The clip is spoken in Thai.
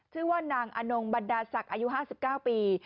ชื่อว่านางอนงบรรดาศักดิ์อายุ๕๙ปี